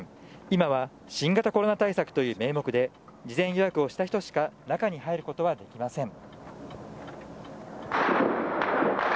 今は新型コロナ対策という名目で事前予約をした人しか中に入ることはできません。